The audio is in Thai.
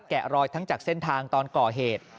แกะรอยทั้งจากเส้นทางตอนก่อเหตุ